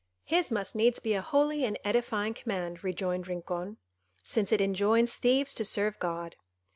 "His must needs be a holy and edifying command," rejoined Rincon, "since it enjoins thieves to serve God."